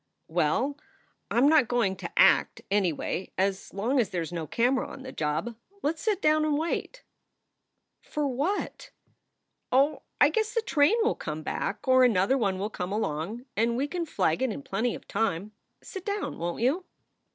"Well, I m not going to act, anyway, as long as there s no camera on the job. Let s sit down and wait." "For what?" "Oh, I guess the train will come back, or another one will come along and we can flag it in plenty of time. Sit down, won t you?"